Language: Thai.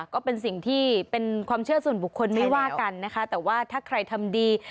ก็เป็นสิ่งที่เป็นความเชื่อส่วนบุคคลไม่ว่ากันนะคะแต่ว่าถ้าใครทำดี